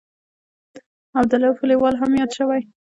عبدالرووف لیوال هم یاد شوی.